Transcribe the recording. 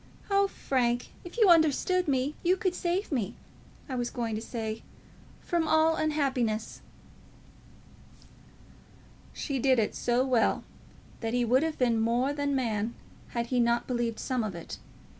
Oh, Frank, if you understood me, you could save me, I was going to say from all unhappiness." She did it so well that he would have been more than man had he not believed some of it.